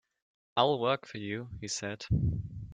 "I'll work for you," he said.